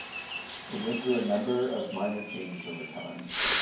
It went through a number of minor changes over time.